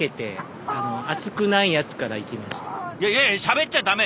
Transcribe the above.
いやいやしゃべっちゃ駄目！